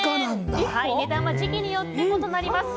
値段は時期によって異なります。